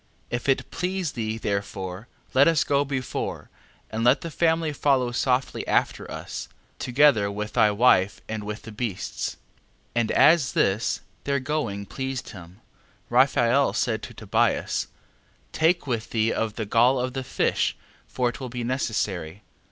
11:3. If it please thee therefore, let us go before, and let the family follow softly after us, together with thy wife, and with the beasts. 11:4. And as this their going pleased him, Raphael said to Tobias: Take with thee of the gall of the fish, for it will be necessary.